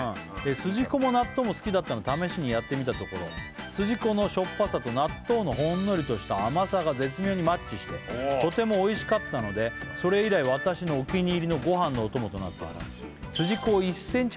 筋子も納豆も好きだったので試しにやってみたところ筋子のしょっぱさと納豆のほんのりとした甘さが絶妙にマッチしてとてもおいしかったのでそれ以来私のお気に入りのご飯のお供となったのです